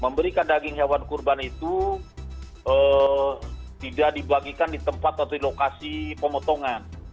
memberikan daging hewan kurban itu tidak dibagikan di tempat atau di lokasi pemotongan